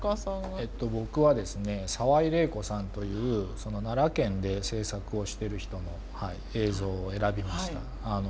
えっと僕はですね澤井玲衣子さんという奈良県で制作をしてる人の映像を選びました。